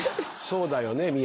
そうだよね？